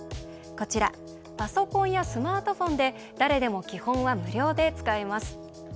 こちらパソコンやスマートフォンで誰でも基本は無料で使えます。